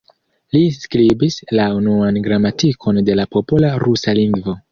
Li skribis la unuan gramatikon de la popola rusa lingvo.